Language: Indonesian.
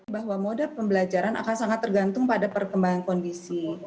bahwa mode pembelajaran akan sangat tergantung pada perkembangan kondisi